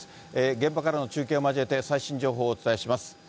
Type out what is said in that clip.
現場からの中継を交えて最新情報をお伝えします。